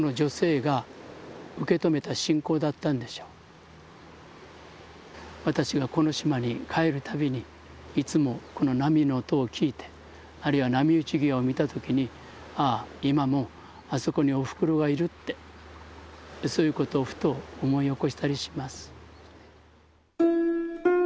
だから私はこの島に帰るたびにいつもこの波の音を聞いてあるいは波打ち際を見た時にああ今もあそこにおふくろはいるってそういうことをふと思い起こしたりします。